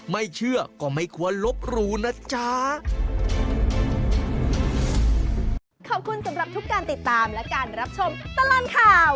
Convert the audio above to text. ไม่เชื่อก็ไม่ควรลบหรูนะจ๊ะ